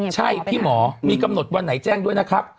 ใช่พี่หมอมีกำหนดวันไหนแจ้งด้วยนะครับ